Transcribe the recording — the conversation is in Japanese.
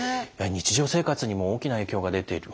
日常生活にも大きな影響が出ている。